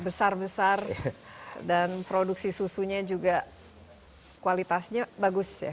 besar besar dan produksi susunya juga kualitasnya bagus ya